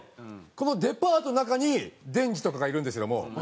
このデパートの中にデンジとかがいるんですけども。